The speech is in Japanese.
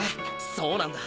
そうなんだ！